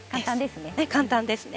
簡単ですね。